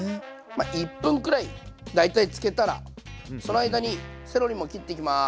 まあ１分くらい大体つけたらその間にセロリも切っていきます。